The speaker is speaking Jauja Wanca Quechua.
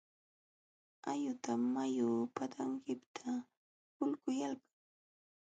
Ayutam mayu patanpiqta hulquyalkan.